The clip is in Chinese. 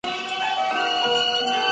曾在南宋咸淳年间任隆兴知府。